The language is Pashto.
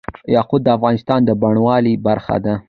یاقوت د افغانستان د بڼوالۍ برخه ده.